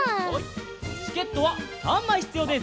チケットは３まいひつようです。